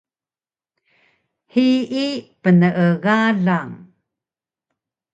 Hiyi pnegalang